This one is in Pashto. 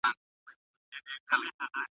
ژبه د ژوند ضروريات پکې بيانېږي.